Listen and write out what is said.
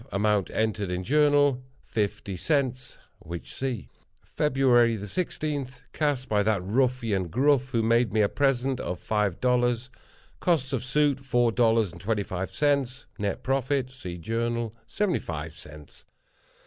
Amount entered in Journal—fifty cents—which see. "Feb. 16.—Cast by that ruffian, Gruff, who made me a present of five dollars. Costs of suit, four dollars and twenty five cents. Nett profit,—see Journal,—seventy five cents."